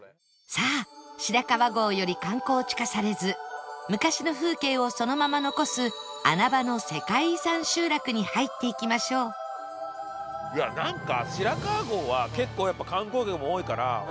さあ白川郷より観光地化されず昔の風景をそのまま残す穴場の世界遺産集落に入っていきましょうなんか。